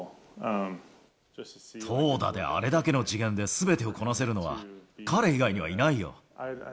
投打であれだけの次元ですべてをこなせるのは、彼以外にはいないよ。